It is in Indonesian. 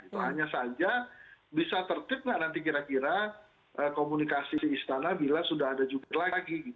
saya berpikir saja bisa tertip nanti kira kira komunikasi istana bila sudah ada jubir lagi